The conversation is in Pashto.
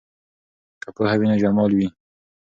که پوهه وي نو جمال وي.